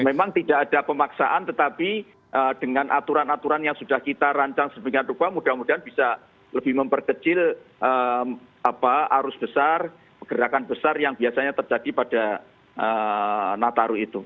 memang tidak ada pemaksaan tetapi dengan aturan aturan yang sudah kita rancang sedemikian rupa mudah mudahan bisa lebih memperkecil arus besar pergerakan besar yang biasanya terjadi pada nataru itu